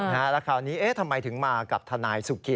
แล้วคราวนี้ทำไมถึงมากับทนายสุกิ